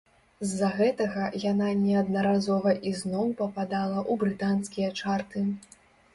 З-за гэтага яна неаднаразова ізноў пападала ў брытанскія чарты.